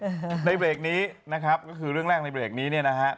ในเวรของเรื่องแรกนี้นะครับก็คือเรื่องแรกในเวรในเนถร้า